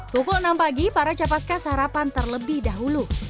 pukul enam pagi para capaska sarapan terlebih dahulu